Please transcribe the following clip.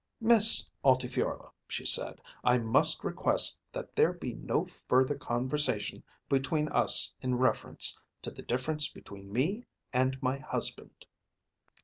"Miss Altifiorla," she said, "I must request that there be no further conversation between us in reference to the difference between me and my husband."